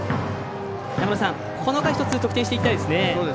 この回、１つ得点していきたいですね。